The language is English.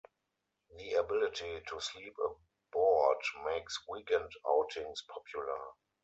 The ability to sleep aboard makes weekend outings popular.